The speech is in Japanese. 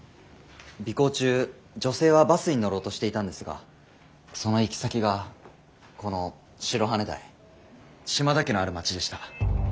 尾行中女性はバスに乗ろうとしていたんですがその行き先がこの白羽台島田家のある街でした。